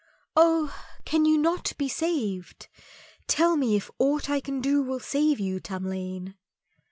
"Oh can you not be saved? Tell me if aught I can do will save you, Tamlane?"